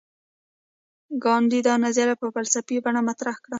ګاندي دا نظریه په فلسفي بڼه مطرح کړه.